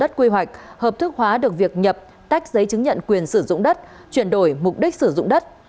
đất quy hoạch hợp thức hóa được việc nhập tách giấy chứng nhận quyền sử dụng đất chuyển đổi mục đích sử dụng đất